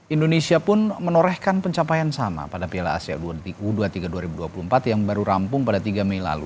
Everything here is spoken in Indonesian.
indonesia pun menorehkan pencapaian sama pada piala asia dua ribu dua puluh tiga dua ribu dua puluh empat yang baru rampung pada tiga mei lalu